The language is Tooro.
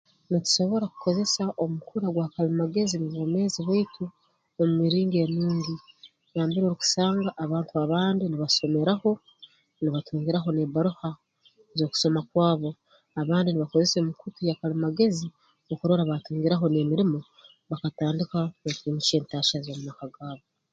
Nitusobora kukozesa omukura gwa kalimagezi mu bwomeezi bwaitu omu miringo enungi nambere orukusanga abantu abandi nibasomeraho nibatungiraho n'ebbaroha z'okusoma kwabo abandi nibakozesa emikutu ya kalimagezi okurora baatungiraho n'emirimo bakatandika kwimukya entahya z'omu maka gaabo